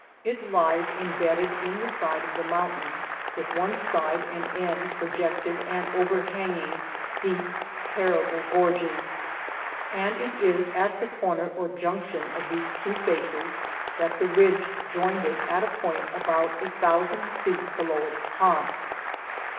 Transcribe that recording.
It lies im bedded in the side of the mountain, with one side and end projected and overhanging deep, terrible gorges, X16 FIRST SUCCESSFUL ASCENT, 1870 and it is at the comer or junction of these two faces that the ridge joined it at a point about a thousand feet below its top.